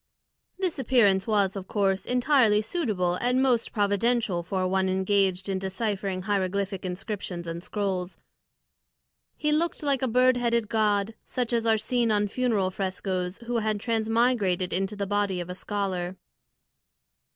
This appearance was of course entirely suitable and most providential for one engaged in deciphering hieroglyphic inscriptions and scrolls. He looked like a bird headed god, such as are seen on funeral frescoes, who had transmigrated into the body of a scholar.